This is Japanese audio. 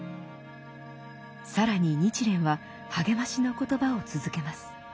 更に日蓮は励ましの言葉を続けます。